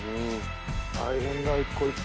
大変だ１個１個。